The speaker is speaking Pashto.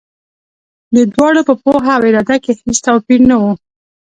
د دواړو په پوهه او اراده کې هېڅ توپیر نه و.